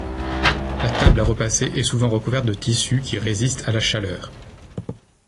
La table à repasser est souvent recouverte de tissu qui résiste à la chaleur.